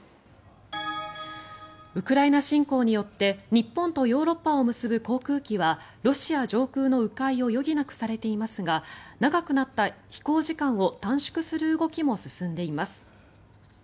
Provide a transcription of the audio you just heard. ウクライナ侵攻によって日本とヨーロッパを結ぶ航空機はロシア上空の迂回を余儀なくされていますが長くなった飛行時間を短縮する動きも進んでいます。